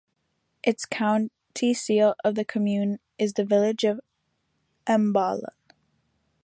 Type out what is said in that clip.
Its county seat of the commune is the village of M'Balal.